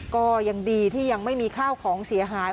ก็ยังดีที่ยังไม่มีข้าวของเสียหาย